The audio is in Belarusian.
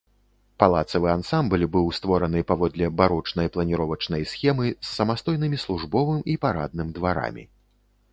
Палацавы ансамбль быў створаны паводле барочнай планіровачнай схемы, з самастойнымі службовым і парадным дварамі.